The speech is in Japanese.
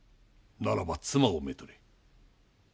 ならば妻を娶れ。